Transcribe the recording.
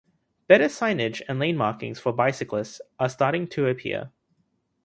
Better signage and lane markings for bicyclists are starting to appear.